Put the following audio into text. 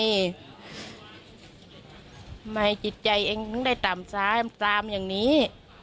ทำไมจิตใจเองว่ามีทำซามซามอย่างนี้